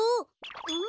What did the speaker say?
うん？